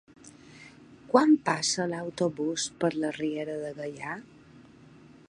Quan passa l'autobús per la Riera de Gaià?